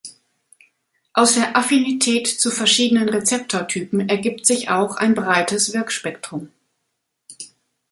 Aus der Affinität zu verschiedenen Rezeptortypen ergibt sich auch ein breites Wirkspektrum.